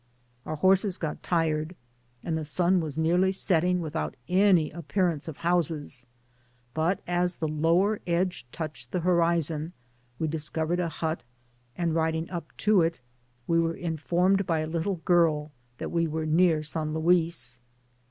Our horses got tired. Digitized byGoogk 66 TOWN OF SAN LUIS. and the sun was nearly setting without any appear ance of houses, but as the lower edge touched the horizon, we discovered a hut, and riding up to it, we were informed by a little girl that we were near San Luis.